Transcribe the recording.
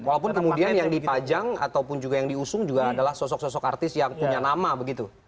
walaupun kemudian yang dipajang ataupun juga yang diusung juga adalah sosok sosok artis yang punya nama begitu